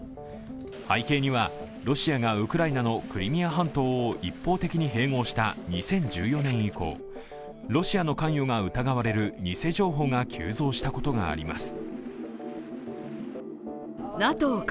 背景には、ロシアがウクライナのクリミア半島を一方的に併合した２０１４年以降、ロシアの関与が疑われる偽情報が急増したことがあります。